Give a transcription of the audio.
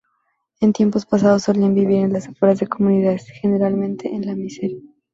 En tiempos pasados, solían vivir en las afueras de comunidades, generalmente en la miseria.